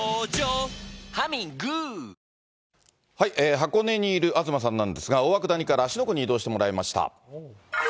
箱根にいる東さんなんですが、大涌谷から芦ノ湖に移動してもらいました。